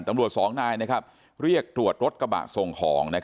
สองนายเรียกตรวจรถกระบะส่งของ